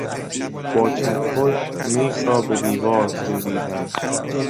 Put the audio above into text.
با چکش میخ را به دیوار کوبیدم.